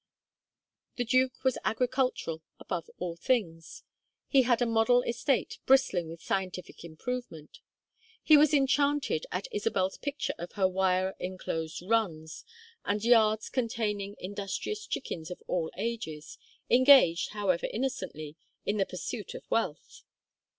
The duke was agricultural above all things; he had a model estate bristling with scientific improvement. He was enchanted at Isabel's picture of her wire enclosed "runs" and yards containing industrious chickens of all ages, engaged, however innocently, in the pursuit of wealth.